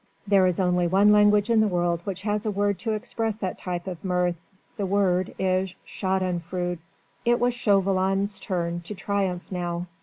There is only one language in the world which has a word to express that type of mirth; the word is Schadenfreude. It was Chauvelin's turn to triumph now.